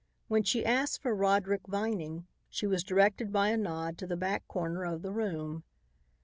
When she asked for Roderick Vining, she was directed by a nod to the back corner of the room.